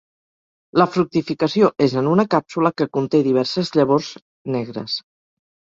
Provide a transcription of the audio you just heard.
La fructificació és en una càpsula que conté diverses llavors negres.